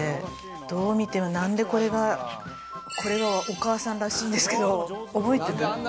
どう見てもなんでこれがお母さんらしいんですけど、覚えてる？